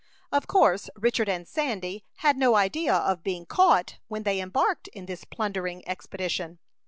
Of course Richard and Sandy had no idea of being caught when they embarked in this plundering expedition.